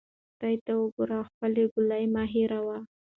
خدای ته وګوره او خپلې ګولۍ مه هیروه.